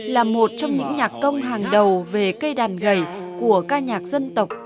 là một trong những nhạc công hàng đầu về cây đàn gầy của ca nhạc dân tộc